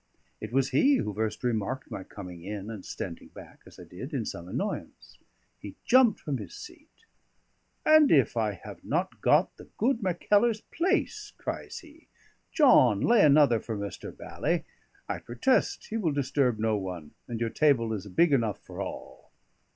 It was he who first remarked my coming in and standing back (as I did) in some annoyance. He jumped from his seat. "And if I have not got the good Mackellar's place!" cries he. "John, lay another for Mr. Bally; I protest he will disturb no one, and your table is big enough for all."